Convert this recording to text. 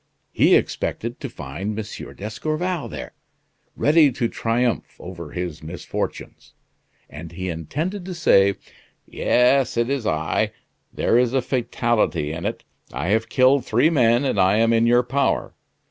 He expected to find M. d'Escorval there, ready to triumph over his misfortunes; and he intended to say: 'Yes, it's I. There is a fatality in it. I have killed three men, and I am in your power.